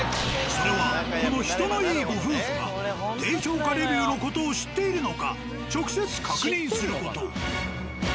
それはこの人のいいご夫婦が低評価レビューの事を知っているのか直接確認する事。